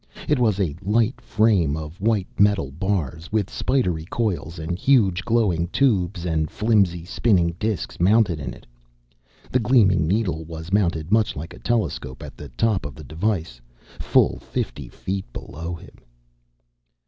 It was a light frame of white metal bars, with spidery coils and huge glowing tubes and flimsy spinning disks mounted in it. The gleaming needle was mounted much like a telescope at the top of the device, fully fifty feet below him.